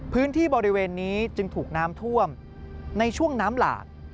พื้นที่บริเวณนี้จึงถูกน้ำท่วมในช่วงน้ำหลาก